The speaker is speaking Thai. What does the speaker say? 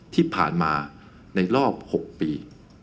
ที่ผ่านมาในรอบ๖ปี